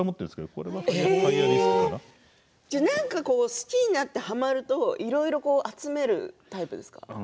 好きになってはまるといろいろ集めるタイプですか？